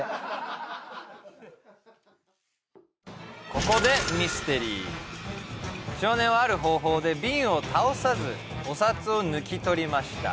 ここでミステリー少年はある方法でビンを倒さずお札を抜き取りました